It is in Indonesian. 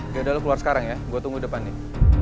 gak ada lo keluar sekarang ya gue tunggu depannya